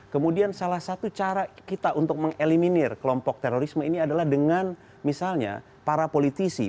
kemudian salah satu cara kita untuk mengeliminir kelompok terorisme ini adalah dengan misalnya para politisi